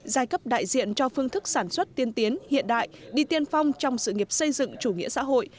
giai cấp đại diện cho phương thức sản xuất tiên tiến hiện đại đi tiên phong trong sự nghiệp xây dựng chủ nghĩa xã hội